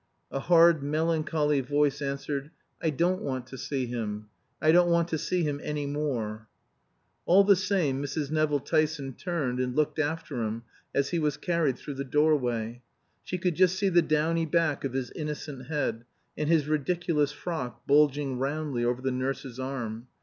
A hard melancholy voice answered, "I don't want to see him. I don't want to see him any more." All the same Mrs. Nevill Tyson turned and looked after him as he was carried through the doorway. She could just see the downy back of his innocent head, and his ridiculous frock bulging roundly over the nurse's arm.